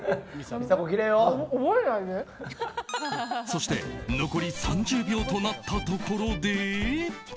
そして残り３０秒となったところで。